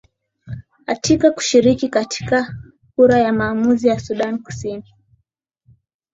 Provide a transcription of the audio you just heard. atika kushiriki katika kura ya maamuzi ya sudan kusini